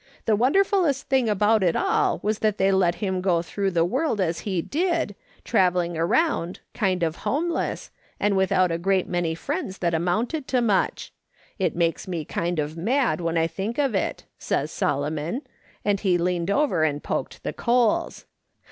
The wonderfullest thing about it all was that they let him go through the world as he did, travelling around, kind of home less, and without a great many friends that amounted to much. It makes me kind of mad when I think of it,' says Solomon, and he leaned over and poked the coals.